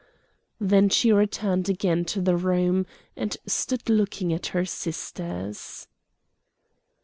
Then she returned again to the room, and stood looking at her sisters.